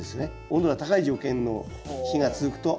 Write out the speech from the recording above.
温度が高い条件の日が続くと。